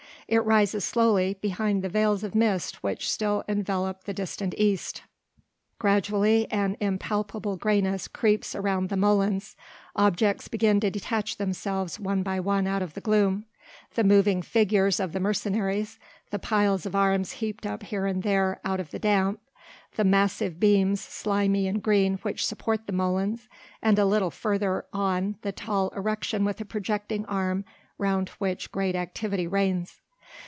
It rises slowly behind the veils of mist which still envelop the distant East. Gradually an impalpable greyness creeps around the molens, objects begin to detach themselves one by one out of the gloom, the moving figures of the mercenaries, the piles of arms heaped up here and there out of the damp, the massive beams slimy and green which support the molens, and a little further on the tall erection with a projecting arm round which great activity reigns.